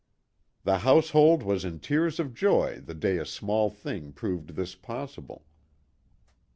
The household was in tears of joy the day a small thing proved this possible.